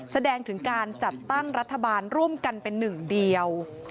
แสดงถึงการจัดตั้งรัฐบาลร่วมกันเป็นหนึ่งเดียว